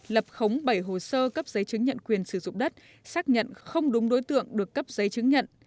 lập khống bảy hồ sơ cấp giấy chứng nhận quyền sử dụng đất xác nhận không đúng đối tượng được cấp giấy chứng nhận